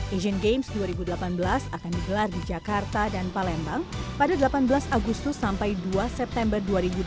asian games dua ribu delapan belas akan digelar di jakarta dan palembang pada delapan belas agustus sampai dua september dua ribu delapan belas